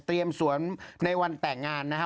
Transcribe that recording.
เตรียมสวนในวันแต่งงานนะฮะ